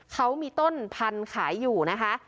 เขามีต้นพันธุ์ขายอยู่นะคะ